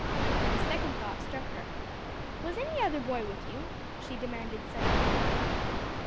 _" Then a second thought struck her. "Was any other boy with you?" she demanded suddenly.